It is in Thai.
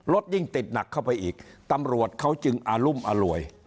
ยิ่งติดหนักเข้าไปอีกตำรวจเขาจึงอารุมอร่วย